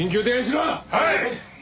はい！